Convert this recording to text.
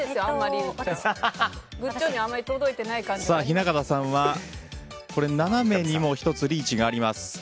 雛形さんは斜めに１つリーチがあります。